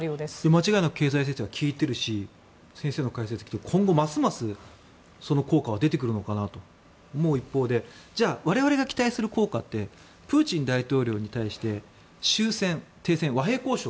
間違いなく経済制裁は効いているし先生の解説を聞くと今後ますますその効果は出てくるのかなと思う一方でじゃあ、我々が期待する効果ってプーチン大統領に対して終戦、停戦、和平交渉。